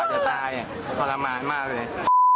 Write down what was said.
ผักจะตายอะทรมานมากเลย